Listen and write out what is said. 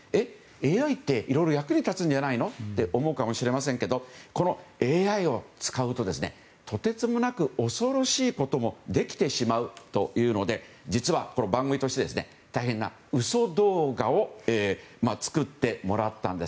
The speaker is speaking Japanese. ＡＩっていろいろ役に立つんじゃないの？って思うかもしれませんけどこのＡＩを使うととてつもなく恐ろしいこともできてしまうというので実は、この番組として大変な嘘動画を作ってもらったんです。